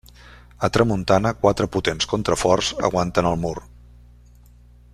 A tramuntana quatre potents contraforts aguanten el mur.